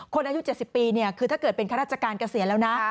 อายุ๗๐ปีคือถ้าเกิดเป็นข้าราชการเกษียณแล้วนะ